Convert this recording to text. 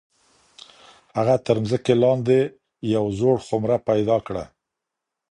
هغه تر مځکي لاندي یو زوړ خمره پیدا کړه.